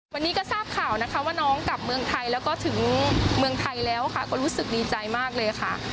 วันนี้ก็ทราบข่าวนะคะว่าน้องกลับเมืองไทยแล้วก็ถึงเมืองไทยแล้วค่ะก็รู้สึกดีใจมากเลยค่ะ